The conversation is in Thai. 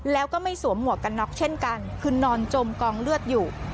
แล้วก็ไม่สวมหมวกกันน็อกเช่นกันคือนอนจมกองเลือดอยู่